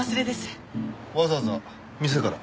わざわざ店から？